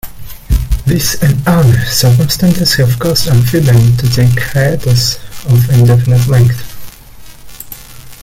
This and other circumstances have caused Amfibian to take hiatus of indefinite length.